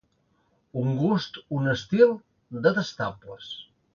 Un gust, un estil, detestables.